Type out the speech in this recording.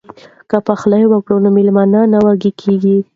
که پخلی وکړو نو میلمانه نه وږي کیږي.